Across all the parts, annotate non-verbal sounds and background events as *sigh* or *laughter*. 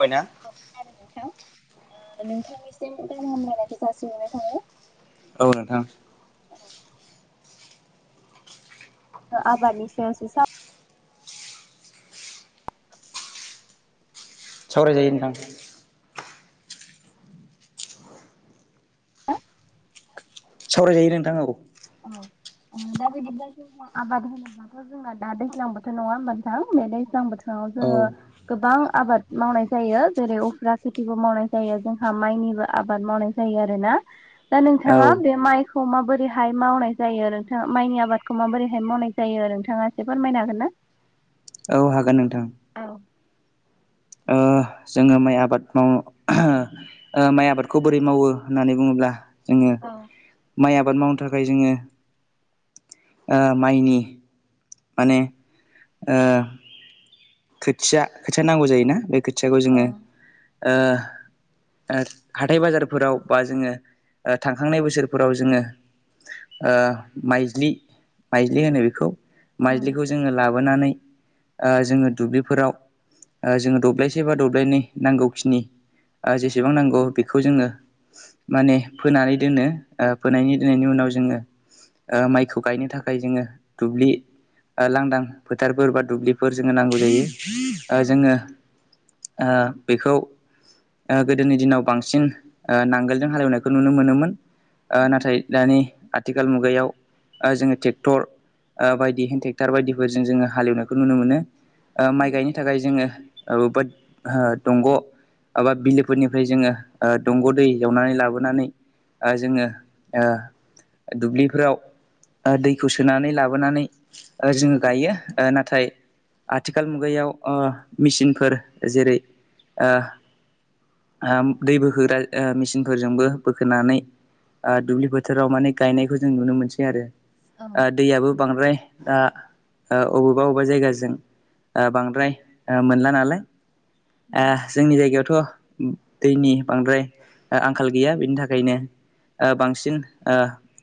बयना खोनादों नोंथां ओ नोंथांनिसिम गाहाम हामलायनायखौ जासिहरनाय थाबाय। औ नथां। औ आबादनि सायावसो साव सावरायजायो नोंथां। हो सावरायजायो नोंथां औ। औ दा बिदिनो जोंहा आबाद होनोब्लाथ' जोंना दा दैज्लांबोथोर नङा होमबा नोंथां? दैज्लां बोथोराव औ जोङो गोबां आबाद मावनाय जायो जेरै उफ्रा खेथिबो मावनाय जायो। जोंहा माइनिबो आबाद मावनाय जायो आरोना दा औ नोंथाङा बे माइखौ माबोरै हाय मावनाय जायो नोंथाङा माइनि आबादखौ माबोरैहाय मावनाय जायो नोंथाङा एसे फोरमायनो हागोन ना? *inaudible* औ हागोन नोंथां। औ ओ *inaudible* जोङो माइ आबाद मावनो ओ माइ आबादखौ बोरै मावो होननानै बुङोब्ला जोङो औ माइ आबाद मावनो थाखाय जोङो ओ माइनि माने ओ खोथिया खोथिया नांगौ जायोना बे खोथियाखौ औ जोङो ओ ओ हाथाय बाजारफोराव बा जोङो थांखांनाय बोसोरफोराव जोङो ओ माइज्लि माइज्लि होनो बेखौ। औ माइज्लिखौ जोङो लाबोनानै ओ जोङो दुब्लिफोराव ओ जोङो दब्लायसे बा दब्लायनै नांगौ खिनि ओ औ जेसेबां नांगौ बेखौ जोङो माने फोनानै दोनो ओ फोनायनि दोननायनि उनाव जोङो ओ माइखौ गायनो थाखाय जोङो दुब्लि ओ लांदां फोथारफोर बा दुब्लिफोर जोङो नांगौ जायो ओ जोङो ओ बेखौ ओ गोदोनि दिनाव बांसिन ओ नांगोलजों हालेवनायखौ नुनो मोनोमोन। ओ नाथाय दानि आथिखाल मुगायाव ओ जोङो टेक्टर ओ बायदि हेन ट्रेक्टार बायदिफोरजों जोङो हालेवनायखौ नुनो मोनो ओ माइ गायनो थाखाय जोङो औ बोथ ओ दंग' एबा बिलोफोरनिफ्राय जोङो ओ दंग' दै जावनानै लाबोनानै ओ जोङो ओ दुब्लिफोराव ओ दैखौ सोनानै लाबोनानै ओ जोङो गायो ओ नाथाय आ थिखाल मुगायाव ओ मेसिनफोर जेरै ओ ओ दै बोखोग्रा ओ मेचिनफोरजोंबो बोखोनानै ओ दुब्लि बोथोराव माने गायनायखौ जों नुनो मोनसै आरो। औ ओ दैयाबो बांद्राय ओ ओ अबेबा अबेबा जायगाजों ओ बांद्राय ओ मोनला नालाय औ ओ जोंनि जायगायावथ' दैनि बांद्राय ओ आंखाल गैया बेनि थाखायनो ओ बांसिन ओ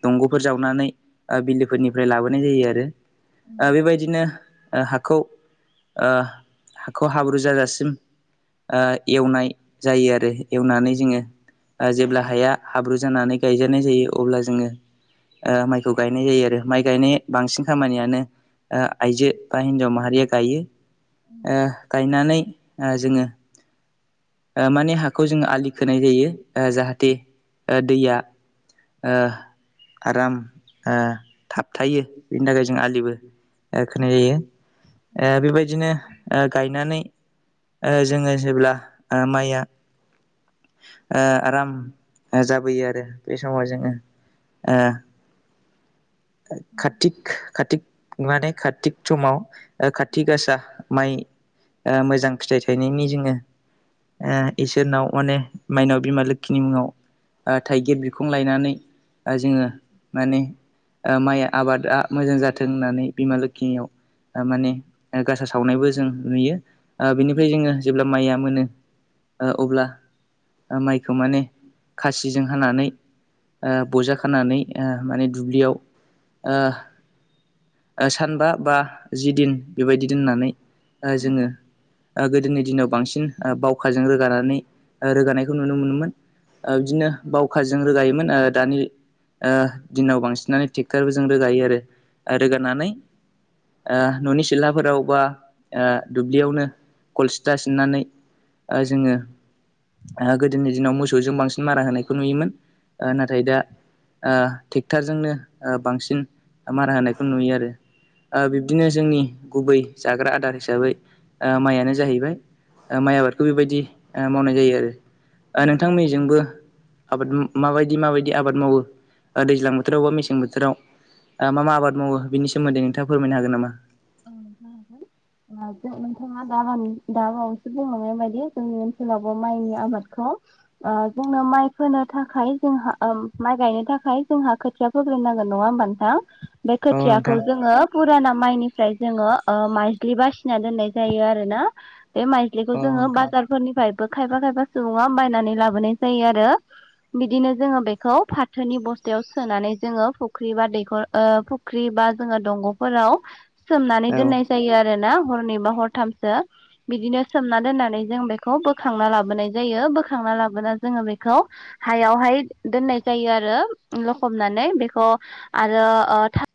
दंग'फोर जावनानै ओ बिलोफोरनिफ्राय लाबोनाय जायो आरो। ओ बेबायदिनो ओ हाखौ ओ हाखौ हाब्रु जाजासिम ओ एवनाय जायो आरो। एवनानै जोङो ओ जेब्ला हाया हाब्रु जानानै गायजानाय जायो अब्ला जोङो ओ माइखौ गायनाय जायो आरो माइ गायनाय बांसिन खामानियानो ओ आइजो बा हिनजाव माहारिया गायो ओ गायनानै ओ जोङो ओ माने हाखौ जों आलि खोनाय जायो ओ जाहाथे ओ दैया ओ आराम ओ थाबथायो बेनि थाखाय जों आलिबो ओ खोनाय जायो। ओ बेबायदिनो ओ गायनानै ओ जोङो जेब्ला ओ माइया ओ आराम ओ जाबोयो आरो, बे समाव जोङो। ओ कातिक कातिक माने कातिक समाव ओ खाथि गासा माइ ओ मोजां फिथाइ थायनायनि जोङो ओ इसोरनाव माने माइनाव बिमा लोखिनि मुङाव ओ थाइगिर बिखुं लायनानै ओ जोङो माने ओ माइ आबादा मोजां जाथों होननानै बिमा लोखिनियाव ओ माने गासा सावनायबो जों नुयो ओ बेनिफ्राय जोंङो जेब्ला माइया मोनो ओ अब्ला माइखौ माने खासिजों हानानै ओ ब'जा खानानै ओ माने दुब्लियाव ओ सानबा बा जि दिन बेबायदि दोननानै, ओ जोंङो ओ गोदोनि दिनाव बांसिन ओ बावखाजों रोगानानै ओ रोगानायखौ नुनो मोनोमोन ओ बिदिनो बावखाजों रोगायोमोन ओ दानि ओ दिनाव बांसिनानो टेक क्टर जों रोगायो आरो ओ रोगानानै ओ न'नि सिलाफोराव बा ओ दुब्लियावनो गल सिथा सिननानै ओ जोंङो ओ गोदोनि दिनाव मोसौजों बांसिन मारा होनायखौ नुयोमोन ओ नाथाय दा ओ टेक्ट'रजोंनो बांसिन मारा होनायखौ नुयो आरो, ओ बिब्दिनो जोंनि गुबै जाग्रा आदार हिसाबै ओ माइआयानो जाहैबाय, ओ माइ आबादखौ बेबायदि मावनाय जायो आरो नोंथांमोननि जोंबो आबाद मा-माबायदि माबायदि आबाद मावो दैजां बोथोरावबा मेसें बो बोथोराव ओ मा मा आबाद मावो बेनि सोमोन्दै नोंथांङा फोरमायनो हागोन नामा? *inaudible* ओ जों नोंथांङा दामानि दाबायावसो बुंनाय बायदि जोंनि जोंनावबो माइनि आबादखौ ओ जोंनो माइ फोनो थाखाय जोंहा ओ माइ माइ गायनो था थाखाय जोंहा खोथिया फोग्रोनांगोन नंङा हबा नोंथां? बे औ खोयाखौ नोंथां जोंङो पुराना माइनि ओमफ्राय जोंङो ओ माइज्लि बासिना दोननाय जायो, आरोना बे माइज्लिखौ औ जोंङो नोंथां बाजारफोरनिफ्रायबो खायफा खायफा सुबुंङा बायनानै लाबोनाय जायो आरो बिदिनो जोंङो बेखौ फाथोनि बस्थायाव सोनानै जोंङो फख्रि बा दैखर ओ फख्रि बा ओ जोंङो दंग'फोराव सोमनानै औ दोननाय जायो आरोना हरनै बा हरथामसो बिदिनो सोमना दोननानै जों बेखौ बोखांना लाबोनाय जायो बोखां बोखांना लाबोना जोंङो बेखौ हायावहाय दोननाय जायो, आरो लखबनानै बेखौ आरो ओ था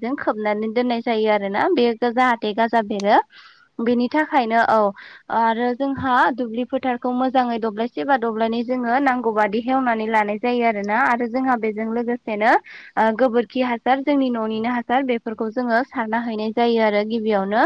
जों खोबनानै दोननाय जायो आरोना बेयो जाहाथे गाजा बेरो बेनि थाखायनो औ ओ आरो जोंहा दुब्लि फोथारखौ मोजांङै दब्लायसे बा दब्लायनानै जोंङो नांगौ बादि- हेवनानै लानाय जायो आरोना आरो जोंहा बेजों लोगोसेनो ओ गोबोरखि हासार जोंनि न'नि न'निनो हासार बेफोरखौ जोंङो सार हैनाय जायो आरो गिबियावनो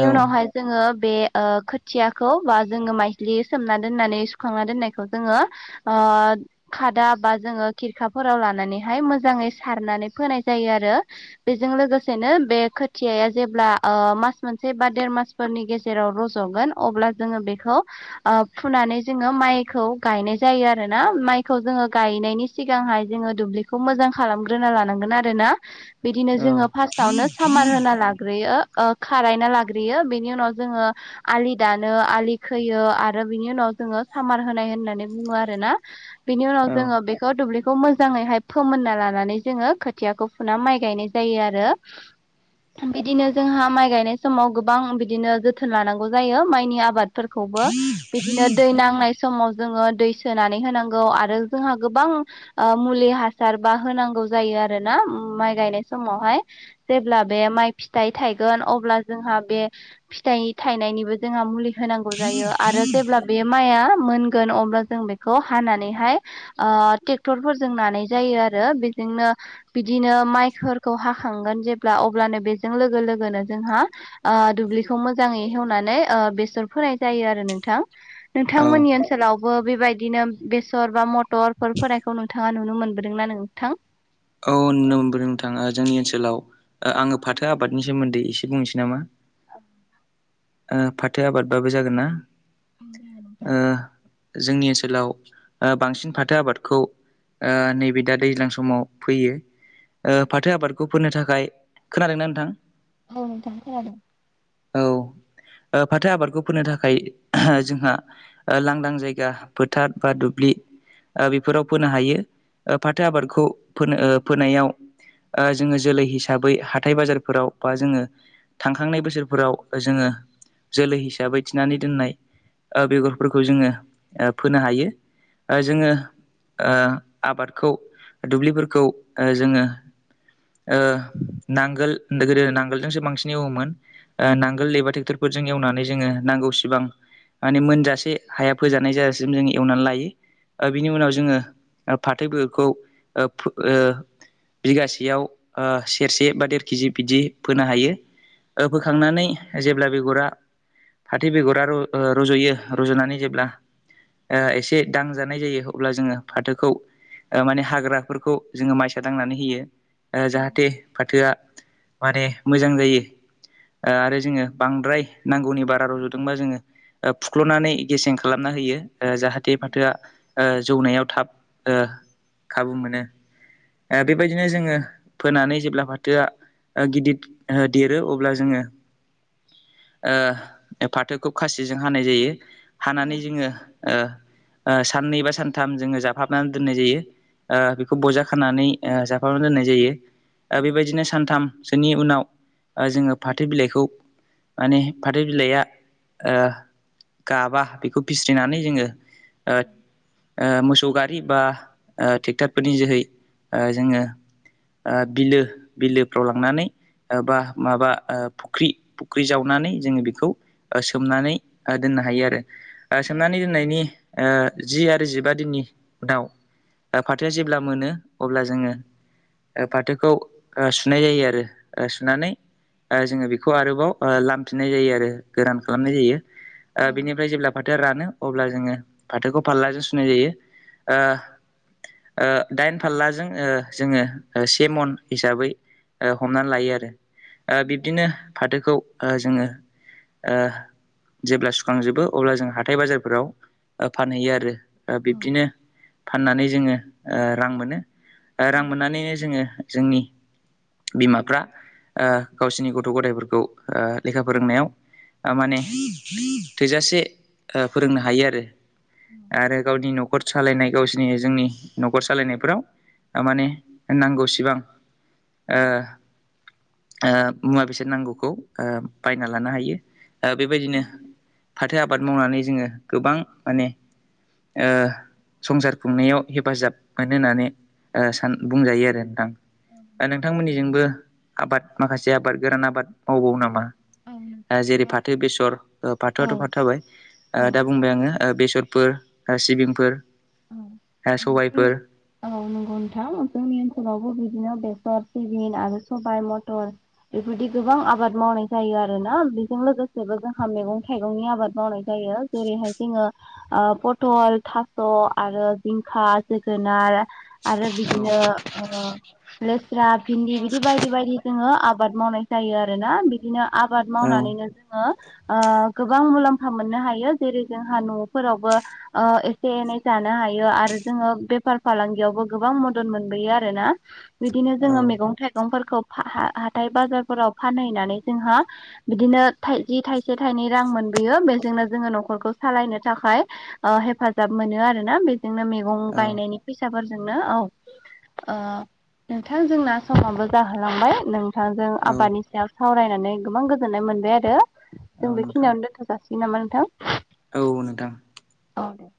औ उनावहाय जोंङो बे ओ खोथियाखौ बा जोंङो माइज्लि सोमना दोननानै सुखांना दोननायखौ जोंङो ओ ओ खादा बा जोंङो खिरखाफोराव लानानैहाय मोजांङै सारनानै फोनाय जायो आरो, बेजों लोगोसेनो बे खोथियाया जेब्ला ओ मास मोनसे बा देर मासफोरनि गेजेराव रज'गोन अब्ला जोंङो बेखौ ओ फुनानै जोंङो माइखौ गायनाय जायो आरोना, माइखौ जोंङो गायनायनि सिगांहाय जोंङो दुब्लिखौ मोजां खालामग्रोना लानांगोन आरोना बिदिनो औ जोंङो फार्स्टआवनो सामार होना लाग्रोयो ओ खारायना लाग्रोयो बेनि उनाव जोंङो आलि दानो, आलि खोयो आरो बिनि उनाव जोंङो सामान होनाय होननानै बुंङो आरोना, बेनि उनाव औ जोंङो बेखौ दुब्लिखौ मोजाङैहाय फोमोनना लानानै जोंङो खोथियाखौ फुना माइ गायनाय जायो आरो बिदिनो जोंहा माइ गायनाय समाव गोबां बिदिनो जोथोन लानांगौ जायो माइनि आबाद फोरखौबो बिदिनो दै नांनाय समाव जोंङो दै सोनानै होनांगौ आरो जोंहा गोबां ओ मुलि हासार बा होनांगौ गौ जायो आरो ना ओम माइ गायनाय समावहाय जेब्ला बे माइ फिथाइ थाइगोन अब्ला जोंहा बे फिथाइ थाइनायनिबो जोंहा मुलि होनांगौ जायो, आरो जेब्ला बे माइआ मोनगोन अब्ला जों बेखौ हानानैहाय ओ टेक्टरफोरजों नानाय जायो आरो। बेजोंनो बिदिनो माइ फोरखौ हाखांगोन जेब्ला अब्लानो बेजों लोगो-लोगोनो जोंहा ओ दुब्लिखौ मोजांङै हेवनानै ऐ बेसर फोनाय जायो आरो नोंथां। औ नोंथांमोननि ओनसोलाव बो बेबायदिनो बेसर बा मटरफोर फोनायखौ नोंथांङा नुनो मोनबोदोंना नोंथां? औ नुनो नोंथां जोंनि ओनसोलाव आङो फाथो आबादनि सोमोन्दै एसे बुंनोसै नामा? *inaudible* ओ फाथो आबादबाबो जागोन ना? ओ जोंनि ओनसोलाव ओ बांसिन फाथो आबादखौ ओ नैबे दा दैज्लां समाव फोयो। ओ फाथो आबादखौ फोनो थाखाय खोनादोंना नोंथां? औ नोंथां खोनादों। औ ओ फाथो आबादखौ फोनो थाखाय जोंहा ओ लांदां जायगा फोथार बा दु ब्लि ओ बेफोराव फोनो हायो। ओ फाथो आबादखौ फोनो ओ फोनायाव ओ जोङो जोलै हिसाबै हाथाय बाजारफोराव बा जोङो थांखांनाय बोसोरफोराव जोङो जोलै हिसाबै थिनानै दोननाय ओ बेगरफोरखौ जोङो ओ फोनो हायो। ओ जोङो ओ आबादखौ दुब्लिफोरखौ ओ जोङो ओ नांगोल गोदो नांगोलजोंसो बांसिनै औमोन ओ नांगोल एबा टेक्टर फोरजों एवनानै जोङो नांगौ सिबां माने मोनजासे हाया फोजानाय जाजासिम जोंङ एवनानै लायो। ओ बिनि उनाव जोङो फाथैफोरखौ ओ फो ओ बिगासेयाव ओ सेरसे बा देर केजि बिदि फोनो हायो। ओ फोखांनानै जेब्ला बेगरा फाथो बेगरा र ओ रज'यो रज'नानै जेब्ला ओ एसे दांजानाय जायो अब्ला जोङो फाथोखौ ओ माने हाग्रा फोरखौ जोङो माइसा दांनानै होयो ओ जाहाथे फाथोआ माने मोजां जायो। ओ आरो जोङो बांद्राय नांगौनि बारा रज'दोंबा जोङो ओ फुख्ल'नानै गेसें खालामना होयो। ओ जाहाथे फाथोआ ओ- जौनायाव थाब ओ खाबु मोनो। ओ बेबायदिनो जोङो फोनानै जेब्ला फाथोआ ओ गिदिर ओ देरो अब्ला जोङो ओ फाथोखौ खासिजों हानाय जायो औ हानानै जोङो ओ ओ साननै बा सानथाम जोङो जाफाबनानै दोननाय जायो ओ खौ बजा खानानै ओ जाफनानै दोननाय जायो ओ बेबायदिनो सानथाम सोनि उनाव ओ जोङो फाथो बिलाइखौ माने फाथो बिलाइया ओ गाबा बेखौ फिस्रिनानै जोङो ओ ओ मोसौ गारि बा ओ ट्रेक्टर फोरनि जोहै ओ जोङो ओ बिलो बिलोफ्राव लांनानै ओ बा माबा ओ फुख्रि फुख्रि जावनानै जोङो बेखौ ओ सोमनानै ओ दोन नों हायो आरो। ओ सोमनानै दोननायनि ओ जि आरो जिबा दिननि उनाव फा थोया जेब्ला मोनो अब्ला जोङो ओ फाथोखौ ओ सुनाय जायो आरो सुनानै ओ जोङो बेखौ आरोबाव ओ लामफिननाय जायो आरो। गोरान खालामनाय जायो। ओ बेनिफ्राय जेब्ला फाथोआ रानो अब्ला जोङो फाथोखौ फारलाजों सुनाय जायो, ओ ओ दाइन फारलाजों ओ जोङो से मन हिसाबै ओ हमनानै लायो आरो। ओ बिब्दिनो फाथोखौ ओ जोङो ओ जेब्ला सुखांजोबो अब्ला जों हाथाय बाजारफोराव ओ फानहैयो आरो। ओ औ बिब्दिनो फाननानै जोङो ओ रां मोनो। ओ रां मोननानैनो जोङो जोंनि बिमाफ्रा ओ गावसिनि गथ' गथायाइफोरखौ ओ लेखा फोरोंनायाव ओ माने थोजासे ओ फोरोंनो हायो आरो। आरो गावनि न'खर सालायनाय गावसिनि जोंनि न'खर सालायनायफोराव माने नांगौसिबां ओ ओ मुवा बेसाद नांगौखौ ओ बायना लानो हायो। ओ औ बेबायदिनो फाथो आबाद मावनानै जोङो गोबां माने ओ संसार खुंनायाव हेफाजाब मोनो होननानै ओ सान बुंजायो आरो नोंथां। ओ नोंथांमोननिजोंबो आबाद माखासे आबाद गोरान आबाद मावबावो नामा? औ ओ जेरै नोंथां फाथो बेसर, फाथोआथ' औ फाथो जाबाय औ दा बुंबाय आङो बेसर फोर, सिबिंफोर, ओ सबाय। औ नोंगौ नोंथां जोंनि ओनसोलावबो बि दिनो बेसर, सिबिं आरो सबाय, मथर बेफोरबादि गोबां आबाद मावनाय जायो आरो ना। बेजों लोगोसेबो जोंहा मैगं थाइगंनि आबाद मावनाय जायो जेरैहाय जोङो ओ पटल आरो थास' आरो जिंखा जोगोनार आरो औ बिदिनो ओ लेस्रा भिन्दि बिदि बायदि बायदि जोङो आबाद मावनाय जायो आरोना। बिदिनो आबाद औ मावनानैनो जोङो ओ गोबां मुलाम्फा मोननो हायो जेरै जोंहा न'फोरावबो ओ एसे एनै जानो हायो आरो जोङो बेफार फालांगियावबो गोबां मदद मोनबोयो आरोना। बिदिनो जोङो मैगं थाइ गंफोरखौ फा हा हाथाय बाजारफोराव फानहैनानै जोंहा बिदिनो थाइजि थाइसे थाइनै नि रां मोनबोयो बेजोंनो जोङो न'खरखौ सालायनो थाखाय ओ हेफाजाब मोनो आरो ना बेजोंनो मैगं औ गायनायनि फैसाफोरजोंनो औ। ओ नोंथां जोंना समाबो जाहोलांबाय, नोंथांजों आबादनि सायाव सावरायनानै गोबां गोजोननाय मोन बाय आरो। जों औ नोंथां बेखिनियावनो दोनथ' जासिगोन नामा नोंथां? औ नोंथां। औ दे।